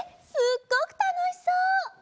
すっごくたのしそう！